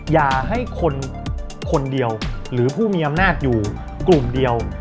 อย่าให้คนคนเดียวหรือผู้มีอำนาจอยู่กลุ่มเดียว